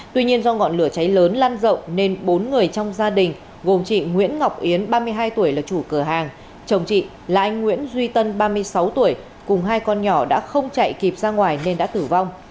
tuy nhiên do ngọn lửa cháy lớn lan rộng nên bốn người trong gia đình gồm chị nguyễn ngọc yến ba mươi hai tuổi là chủ cửa hàng chồng chị là anh nguyễn duy tân ba mươi sáu tuổi cùng hai con nhỏ đã không chạy kịp ra ngoài nên đã tử vong